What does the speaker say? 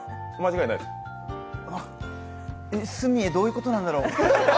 え、スミエ、どういうことなんだろう？